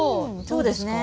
そうですね。